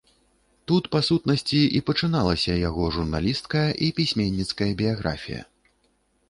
Тут, па сутнасці, і пачыналася яго журналісцкая і пісьменніцкая біяграфія.